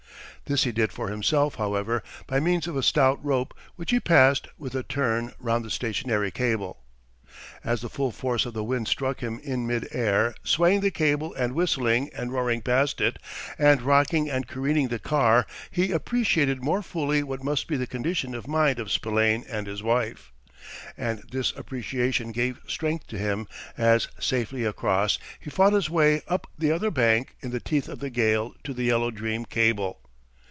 This he did for himself, however, by means of a stout rope, which he passed, with a turn, round the stationary cable. As the full force of the wind struck him in mid air, swaying the cable and whistling and roaring past it, and rocking and careening the car, he appreciated more fully what must be the condition of mind of Spillane and his wife. And this appreciation gave strength to him, as, safely across, he fought his way up the other bank, in the teeth of the gale, to the Yellow Dream cable.